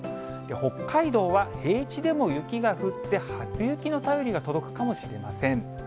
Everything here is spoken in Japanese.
北海道は平地でも雪が降って、初雪の便りが届くかもしれません。